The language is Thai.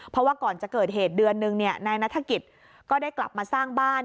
เพราะว่าก่อนจะเกิดเหตุเดือนนึงนายนัฐกิจก็ได้กลับมาสร้างบ้าน